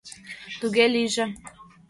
Туге лийже.